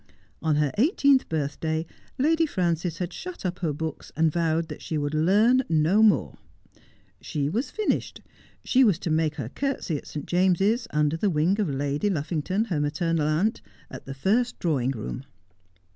On her eighteenth birthday Lady Frances had shut up her books and vowed that she would learn no more. She was finished — she was to make her curtsey at St. James's, under the wing of Lady Luffington, her maternal aunt, at the first drawing room.